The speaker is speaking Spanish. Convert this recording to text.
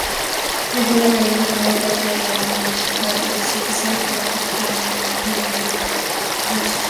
De joven había formado parte de la Banda Municipal de Cieza como clarinetista.